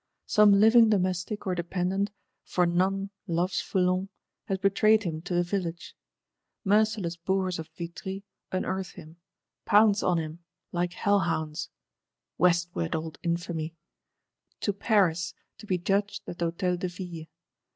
Some living domestic or dependant, for none loves Foulon, has betrayed him to the Village. Merciless boors of Vitry unearth him; pounce on him, like hell hounds: Westward, old Infamy; to Paris, to be judged at the Hôtel de Ville!